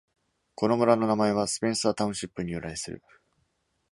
この村の名前はスペンサー・タウンシップに由来する。